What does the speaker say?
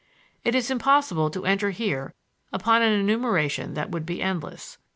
It is impossible to enter here upon an enumeration that would be endless.